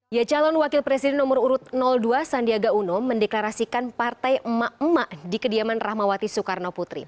ya calon wakil presiden nomor urut dua sandiaga uno mendeklarasikan partai emak emak di kediaman rahmawati soekarno putri